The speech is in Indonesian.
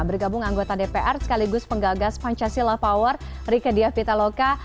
bergabung anggota dpr sekaligus penggagas pancasila power rike diawitaloka